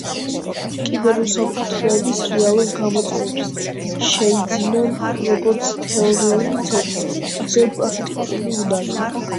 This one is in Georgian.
კიბერუსაფრთხოების რეალურ გამოწვევებს, შეიძინონ როგორც თეორიული ცოდნა, ასევე პრაქტიკული უნარები.